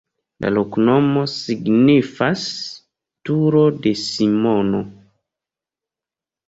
La loknomo signifas: turo de Simono.